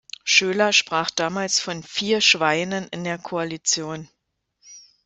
Schoeler sprach damals von „vier Schweinen“ in der Koalition.